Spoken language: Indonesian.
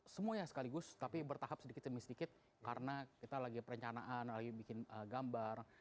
semuanya sekaligus tapi bertahap sedikit demi sedikit karena kita lagi perencanaan lagi bikin gambar